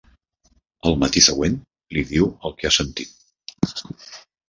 Al matí següent, li diu el què ha sentit.